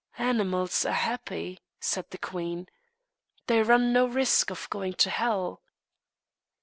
"Animals are happy," said the queen. "They run no risk of going to hell."